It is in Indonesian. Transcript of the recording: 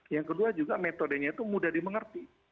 yang kedua juga metodenya itu mudah dimengerti